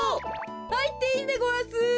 はいっていいでごわす。